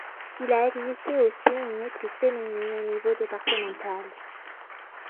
Il a existé aussi une équipe féminine au niveau départemental.